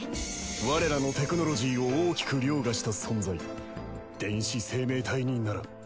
我らのテクノロジーを大きくりょうがした存在電子生命体になら。